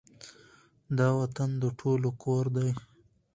دا وطــن د ټولو کـــــــــــور دی